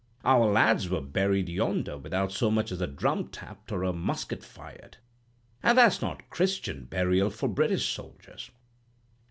Our lads were buried yonder without so much as a drum tapped or a musket fired; and that's not Christian burial for British soldiers.'